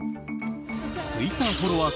ツイッターフォロワー